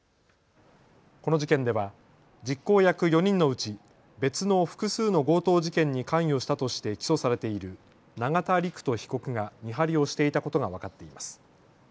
この事件では実行役４人のうち別の複数の強盗事件に関与したとして起訴されている永田陸人被告が見張りをしていたことが分かっています。